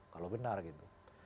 kalau benar gitu